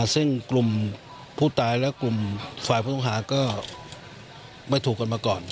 ซึ่งกลุ่มผู้ตายและกลุ่มฝ่ายผู้ต้องหาก็ไม่ถูกกันมาก่อน